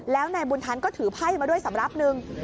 แล้วนายบุญทันก็ถือไพ่มาด้วยสำรับหนึ่ง